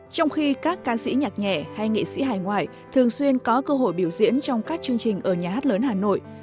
trong khi các ca sĩ nhạc nhẹ hay nghệ sĩ hải ngoại thường xuyên có cơ hội biểu diễn trong các chương trình ở nhà hát lớn hà nội